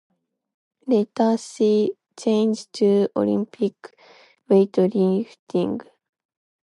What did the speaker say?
Later she change to Olympic weightlifting.